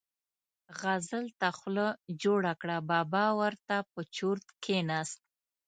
غزل ته خوله جوړه کړه، بابا ور ته په چرت کېناست.